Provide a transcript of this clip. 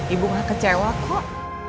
aku mah kecewa kok